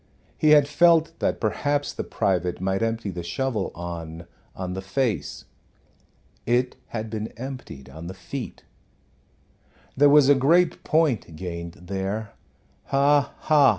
He had felt that perhaps the private might empty the shovel on on the face. It had been emptied on the feet. There was a great point gained there ha, ha!